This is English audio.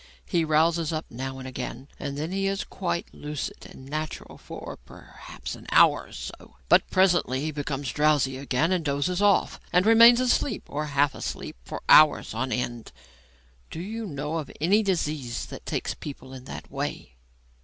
He rouses up now and again, and then he is quite lucid and natural for, perhaps, an hour or so; but presently he becomes drowsy again and doses off, and remains asleep, or half asleep, for hours on end. Do you know of any disease that takes people in that way?"